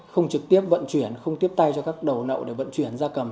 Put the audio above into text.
không trực tiếp vận chuyển không tiếp tay cho các đầu nậu để vận chuyển ra cầm